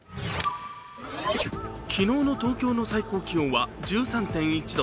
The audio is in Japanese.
昨日の東京の最高気温は１３．１度。